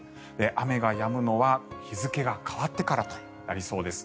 雨がやむのは日付が変わってからとなりそうです。